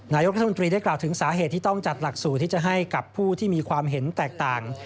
นายกรัฐมนตรีได้กล่าวถึงสาเหตุที่ต้องจัดหลักสูตรที่จะให้กับผู้ที่มีความเห็นแตกต่าง